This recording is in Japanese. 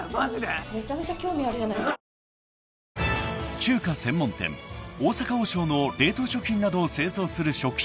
［中華専門店大阪王将の冷凍食品などを製造する食品